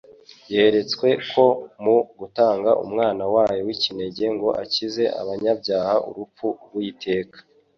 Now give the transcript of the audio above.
Yeretswe ko mu gutanga Umwana wayo w'ikinenge ngo akize abanyabyaha urupfu w'iteka ;